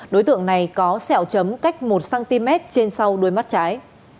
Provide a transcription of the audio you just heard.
đối tượng này có sẹo chấm cách một cm trên sau đuôi mắt trái